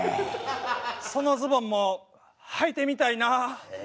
そのズボンもはいてみたいな。